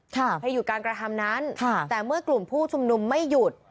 ให้หยุดการกระทำนั้นแต่เมื่อกลุ่มผู้ชุมนุมไม่หยุด